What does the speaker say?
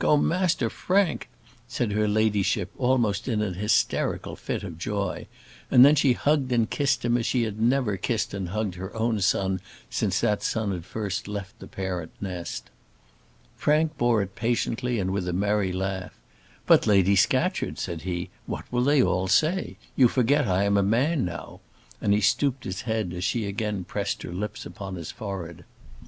oh, Master Frank!" said her ladyship, almost in an hysterical fit of joy; and then she hugged and kissed him as she had never kissed and hugged her own son since that son had first left the parent nest. Frank bore it patiently and with a merry laugh. "But, Lady Scatcherd," said he, "what will they all say? you forget I am a man now," and he stooped his head as she again pressed her lips upon his forehead.